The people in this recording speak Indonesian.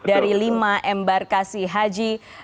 dari lima embarkasi haji